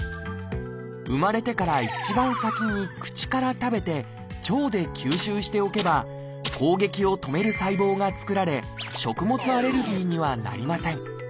生まれてから一番先に口から食べて腸で吸収しておけば攻撃を止める細胞が作られ食物アレルギーにはなりません。